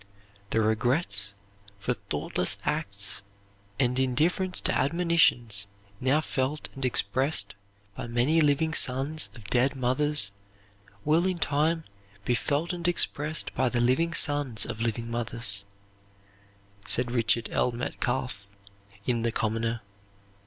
"The regrets for thoughtless acts and indifference to admonitions now felt and expressed by many living sons of dead mothers will, in time, be felt and expressed by the living sons of living mothers," says Richard L. Metcalfe, in the "Commoner."